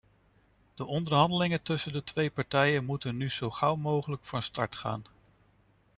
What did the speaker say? De onderhandelingen tussen de twee partijen moeten nu zo gauw mogelijk van start gaan.